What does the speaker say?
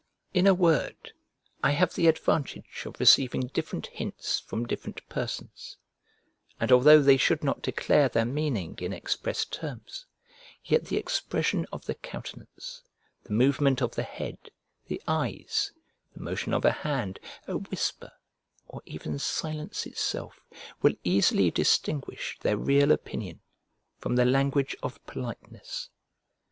In a word, I have the advantage of receiving different hints from different persons: and although they should not declare their meaning in express terms, yet the expression of the countenance, the movement of the head, the eyes, the motion of a hand, a whisper, or even silence itself will easily distinguish their real opinion from the language of politeness.